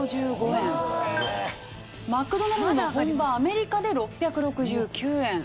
マクドナルドの本場アメリカで６６９円。